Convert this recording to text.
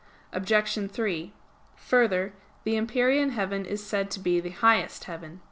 Obj. 3: Further, the empyrean heaven is said to be the highest heaven.